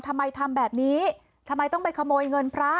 ทำไมทำแบบนี้ทำไมต้องไปขโมยเงินพระ